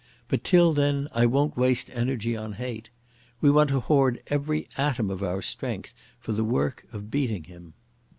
But till then I won't waste energy on hate. We want to hoard every atom of our strength for the work of beating him."